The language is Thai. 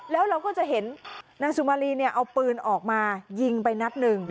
แล้วเราก็จะเห็นนางสุมารีเนี่ยเอาปืนออกมายิงไปนัดหนึ่ง